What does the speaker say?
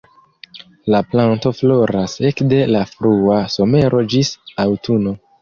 La planto floras ekde la frua somero ĝis aŭtuno.